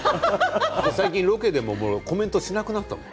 最近ロケでもコメントしなくなったもん